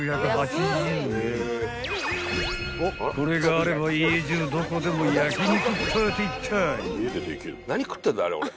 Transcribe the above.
［これがあれば家中どこでも焼き肉パーティータイム］